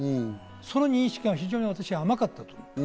その認識が非常に私は甘かったと思う。